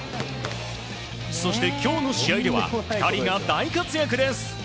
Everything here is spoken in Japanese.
そして今日の試合では２人が大活躍です。